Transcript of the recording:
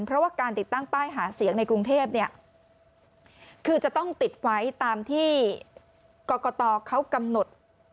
เพราะว่าการติดตั้งป้ายหาเสียงในกรุงเทพเนี่ยคือจะต้องติดไว้ตามที่กรกตเขากำหนด